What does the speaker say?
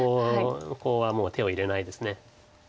コウはもう手を入れないです。